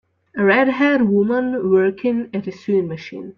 A redhaired woman working at a sewing machine.